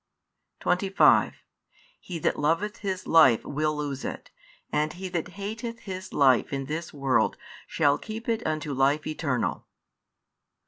25 He that loveth his life will lose it; and he that hateth his life in this world shall keep it unto life eternal.